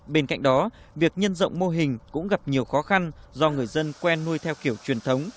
bên cạnh đó việc nhân rộng mô hình cũng gặp nhiều khó khăn do người dân quen nuôi theo kiểu truyền thống